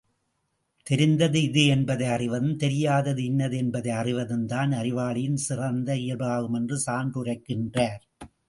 தெரிந்தது இது என்பதை அறிவதும் தெரியாதது இன்னது என்பதை அறிவதும் தான் அறிவாளியின் சிறந்த இயல்பாகும் என்று சான்றுரைக்கின்றார்!